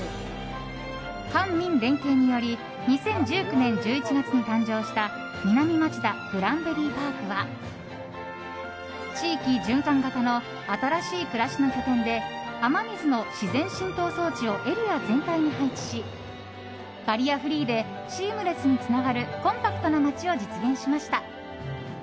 官民連携により２０１９年１１月に誕生した南町田グランベリーパークは地域循環型の新しい暮らしの拠点で雨水の自然浸透装置をエリア全体に配置しバリアフリーでシームレスにつながるコンパクトな街を実現しました。